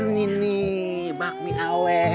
nih nih bakmi awen